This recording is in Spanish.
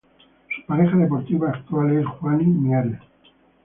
Su pareja deportiva actual es Juani Mieres.